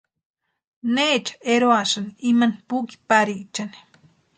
¿Nécha eroasïni imani puki pariechani?